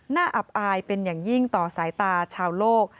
อับอายเป็นอย่างยิ่งต่อสายตาชาวโลก